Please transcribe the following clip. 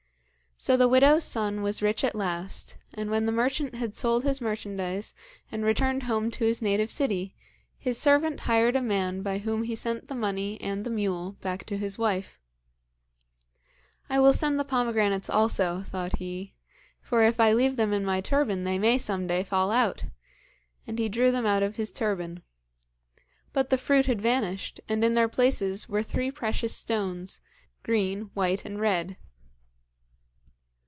So the widow's son was rich at last, and when the merchant had sold his merchandise, and returned home to his native city, his servant hired a man by whom he sent the money and the mule back to his wife. 'I will send the pomegranates also,' thought he 'for if I leave them in my turban they may some day fall out,' and he drew them out of his turban. But the fruit had vanished, and in their places were three precious stones, green, white and red.